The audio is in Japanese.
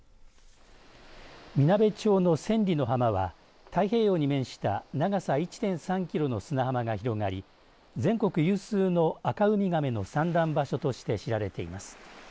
みなべ町の千里の浜は太平洋に面した長さ１．３キロの砂浜が広がり全国有数のアカウミガメの産卵場所として知られています。